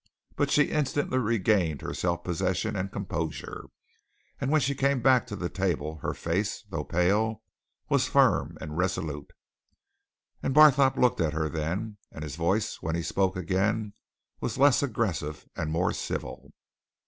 But she instantly regained her self possession and composure, and when she came back to the table her face, though pale, was firm and resolute. And Barthorpe looked at her then, and his voice, when he spoke again, was less aggressive and more civil.